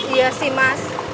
iya sih mas